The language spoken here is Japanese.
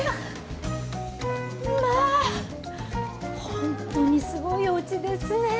本当にすごいおうちですね。